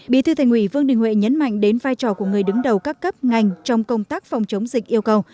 bí thư thành ủy vương đình huệ nhấn mạnh đến vai trò của người đứng đầu các cấp ngành trong công tác phòng chống dịch yêu cầu